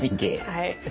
はい。